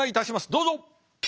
どうぞ。